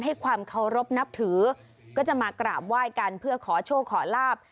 ให้ความเคารพนับถือก็จะมากราบไหว้กันเพื่อขอโชคขอลาบ